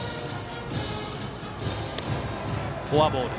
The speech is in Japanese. フォアボール。